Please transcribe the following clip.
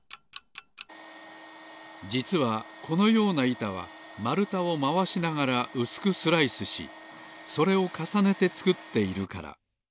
じつはこのようないたはまるたをまわしながらうすくスライスしそれをかさねてつくっているから。